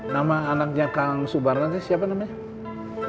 nama anaknya kang subarnasnya siapa namanya